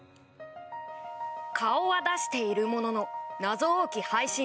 顔は出しているものの謎多き配信者